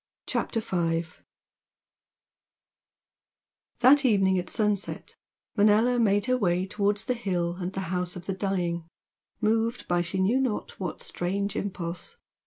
CHAPTER V That evening at sunset Manella made her way towards the hill and the "House of the Dying," moved by she knew not what strange impulse.